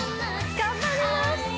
頑張ります！